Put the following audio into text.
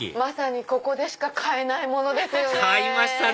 ここでしか買えないものですよね。